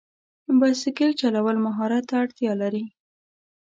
بایسکل چلول مهارت ته اړتیا لري.